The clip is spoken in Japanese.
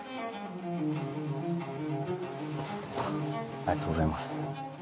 ありがとうございます。